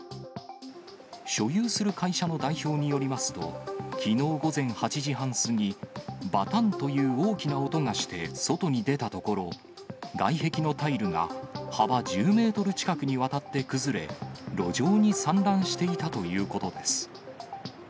所有する会社の代表によりますと、きのう午前８時半過ぎ、ばたんという大きな音がして、外に出たところ、外壁のタイルが幅１０メートル近くにわたって崩れ、路上に散乱していたということです。